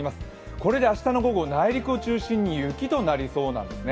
これで明日の午後、内陸を中心に雪となりそうなんですね。